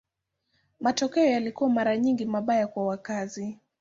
Matokeo yalikuwa mara nyingi mabaya kwa wakazi.